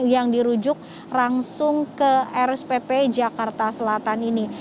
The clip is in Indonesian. yang dirujuk langsung ke rspp jakarta selatan ini